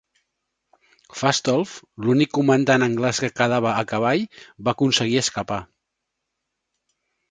Fastolf, l'únic comandant anglès que quedava a cavall, va aconseguir escapar.